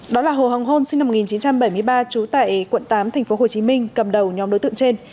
đó là hồ hồng hôn sinh năm một nghìn chín trăm bảy mươi ba trú tại quận tám tp hcm cầm đầu nhóm đối tượng trên